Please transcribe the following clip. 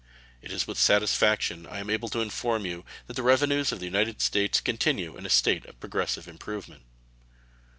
It is with satisfaction I am able to inform you that the revenues of the United States continue in a state of progressive improvement.